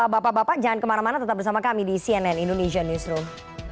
bapak bapak jangan kemana mana tetap bersama kami di cnn indonesia newsroom